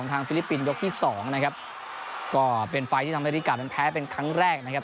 ฟิลิปปินส์ที่สองนะครับก็เป็นไฟล์ที่ทำให้ริกานั้นแพ้เป็นครั้งแรกนะครับ